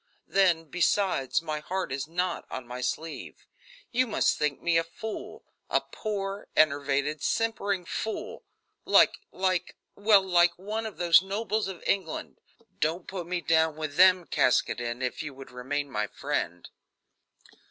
Then, besides, my heart is not on my sleeve. You must think me a fool; a poor, enervated, simpering fool like like well, like one of those nobles of England. Don't put me down with them, Caskoden, if you would remain my friend."